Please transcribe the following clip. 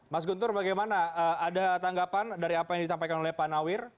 mas guntur bagaimana ada tanggapan dari apa yang disampaikan oleh pak nawir